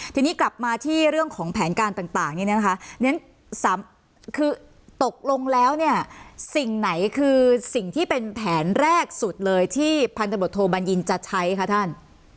ทีนี้กลับมาที่เรื่องของแผนการต่างเนี่ยนะคะคือตกลงแล้วเนี่ยสิ่งไหนคือสิ่งที่เป็นแผนแรกสุดเลยที่พันธบทโทบัญญินจะใช้คะท่าน